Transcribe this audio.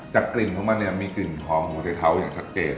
กลิ่นของมันเนี่ยมีกลิ่นหอมของหัวใจเท้าอย่างชัดเจน